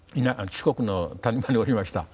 四国の谷間におりました。